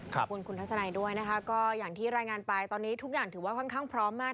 ขอบคุณคุณทัศนัยด้วยนะคะก็อย่างที่รายงานไปตอนนี้ทุกอย่างถือว่าค่อนข้างพร้อมมาก